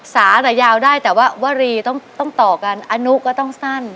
สาแต่ยาวได้แต่ว่าวรีต้องต่อกันอนุก็ต้องสั้น